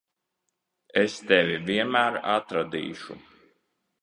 Es tevi vienmēr atradīšu.